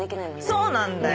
そうなんだよ。